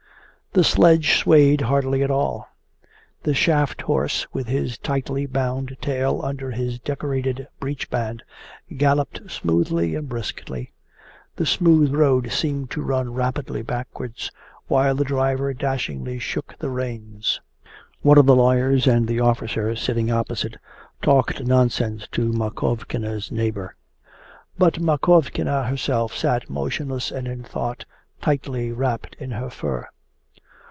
The sledge swayed hardly at all. The shaft horse, with his tightly bound tail under his decorated breechband, galloped smoothly and briskly; the smooth road seemed to run rapidly backwards, while the driver dashingly shook the reins. One of the lawyers and the officer sitting opposite talked nonsense to Makovkina's neighbour, but Makovkina herself sat motionless and in thought, tightly wrapped in her fur.